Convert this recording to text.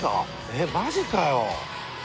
えっマジかよ。